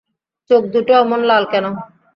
চোখ দুটো অমন লাল কেন।